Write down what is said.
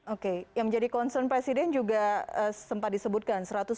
oke yang menjadi concern presiden juga sempat disebutkan